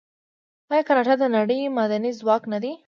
آیا کاناډا د نړۍ معدني ځواک نه دی؟